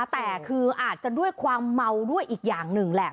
แต่คืออาจจะด้วยความเมาด้วยอีกอย่างหนึ่งแหละ